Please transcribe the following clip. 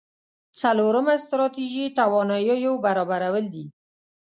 څلورمه ستراتيژي تواناییو برابرول دي.